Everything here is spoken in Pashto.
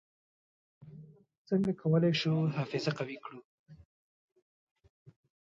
څنګه کولای شو حافظه قوي کړو؟